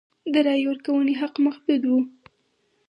د رایې ورکونې حق محدود و.